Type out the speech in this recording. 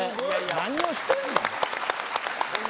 何をしてるの。